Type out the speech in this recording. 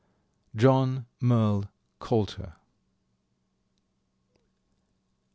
John Merle Coulter.